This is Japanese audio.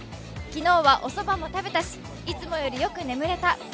昨日はおそばも食べたし、いつもよりよく眠れた。